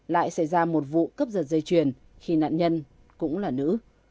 lại xảy ra một vụ cướp giật dây chuyền khi nạn nhân cũng là nữ